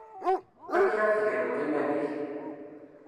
Amek ara d-tgelmeḍ iman-ik?